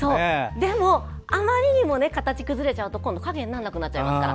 でもあまりにも形が崩れちゃうと今度は影にならなくなっちゃいますから。